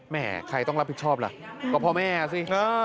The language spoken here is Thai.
แม่ใครต้องรับผิดชอบล่ะก็พ่อแม่สิ